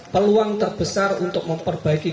peluang terbesar untuk memperbaikinya